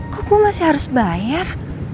kok gue masih harus bayar